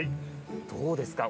どうですか？